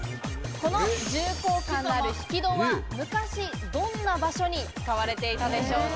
この重厚感のある引き戸は、昔、どんな場所に使われていたのでしょうか？